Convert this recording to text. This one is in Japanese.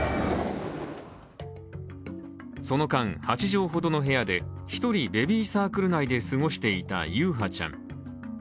その間、８畳ほどの部屋で、一人、ベビーサークルの中で過ごしていた優陽ちゃん。